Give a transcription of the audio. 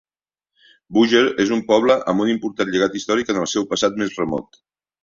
Búger és un poble amb un important llegat històric en el seu passat més remot.